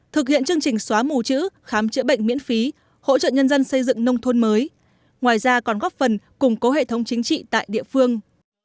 thực hiện chương trình xóa mù chữ khám chữa bệnh miễn phí hỗ trợ nhân dân xây dựng nông thôn mới ngoài ra còn góp phần củng cố hệ thống chính trị tại địa phương